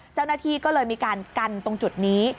เจ้าหน้าที่ก็เลยมีการกันตรงจุดนี้